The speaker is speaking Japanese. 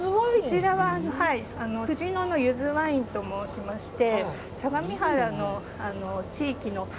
こちらは藤野のゆずワインと申しまして。